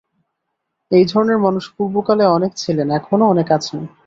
এই ধরনের মানুষ পূর্বকালে অনেক ছিলেন, এখনও অনেক আছেন।